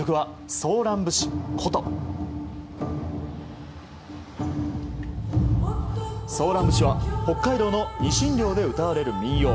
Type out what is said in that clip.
「ソーラン節」は北海道のニシン漁で歌われる民謡。